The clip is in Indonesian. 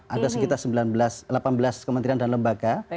ada sekitar delapan belas kementerian dan lembaga